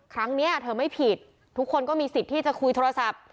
ครั้งนี้เธอไม่ผิดทุกคนก็มีสิทธิ์ที่จะคุยโทรศัพท์